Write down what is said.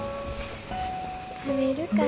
食べるかな。